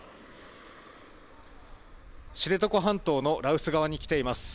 知床半島の羅臼川に来ています。